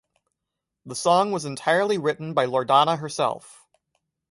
The song was entirely written by Loredana herself.